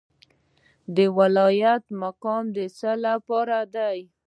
د ولایت مقام د څه لپاره دی؟